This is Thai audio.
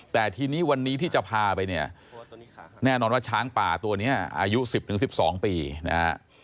แต่ทีนี้วันนี้ที่จะพาไปเนี่ยแน่นอนว่าช้างป่าตัวนี้อายุ๑๐๑๒ปีนะฮะ